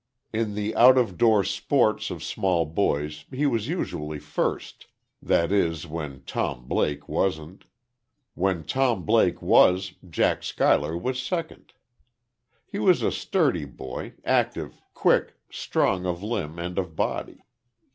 In the out of door sports of small boys, he was usually first that is, when Tom Blake wasn't. When Tom Blake was, Jack Schuyler was second. He was a sturdy boy, active, quick, strong of limb and of body.